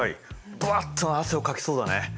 ブワッと汗をかきそうだね。